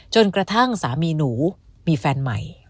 จนกระทั่งสามีหนูมีแฟนใหม่